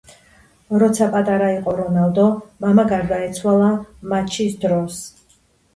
როცა პატარა იყო რონალდო მამა გარდაეცვალა მაჩის დროს